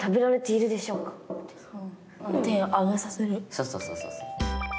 そうそうそうそうそう。